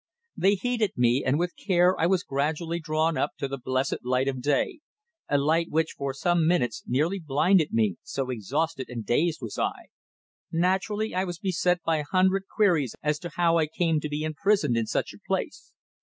They heeded me, and with care I was gradually drawn up to the blessed light of day a light which, for a few minutes, nearly blinded me, so exhausted and dazed was I. Naturally I was beset by a hundred queries as to how I came to be imprisoned in such a place.